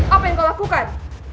apa yang kau lakukan